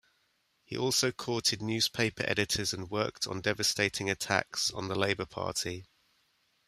He also courted newspaper editors and worked on devastating attacks on the Labour Party.